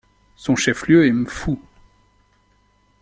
Son chef-lieu est Mfou.